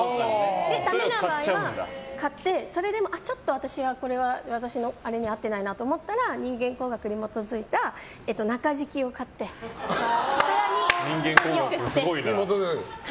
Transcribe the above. ダメな場合はそれでもちょっと私はこれは私のあれに合ってないなと思ったら人間工学に基づいた中敷きを買って更によくして。